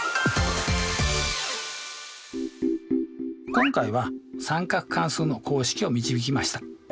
今回は三角関数の公式を導きました。